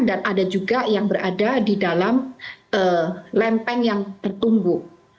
dan ada juga yang berada di dalam lempeng yang tertumbuk